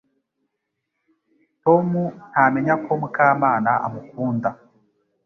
Tom ntamenya ko Mukamana amukunda